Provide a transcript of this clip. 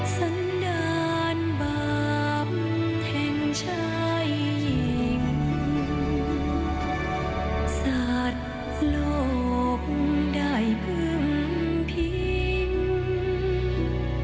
สันดาลบาปแห่งชายเย็งสัตว์โลกใดพึ่งพิง